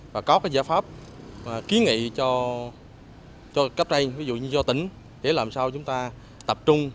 và có giả pháp ký nghị cho các doanh nghiệp ví dụ như do tỉnh để làm sao chúng ta tập trung